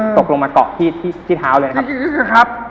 ตกลงมากรอกที่เท้าเลยนะครับ